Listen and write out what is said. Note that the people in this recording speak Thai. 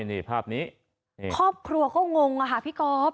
นี่ภาพนี้ครอบครัวเข้างงค่ะพี่กอฟ